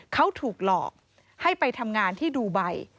เขาถูกหลอกให้ไปทำงานที่ดูไบ